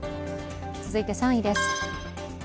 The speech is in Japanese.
続いて３位です。